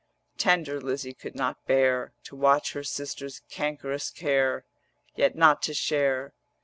Tender Lizzie could not bear To watch her sister's cankerous care 300 Yet not to share.